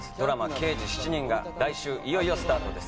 『刑事７人』が来週いよいよスタートです。